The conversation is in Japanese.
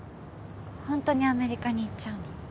ホントにアメリカに行っちゃうの？